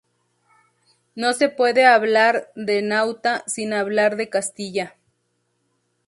No se puede hablar de Nauta sin hablar de Castilla.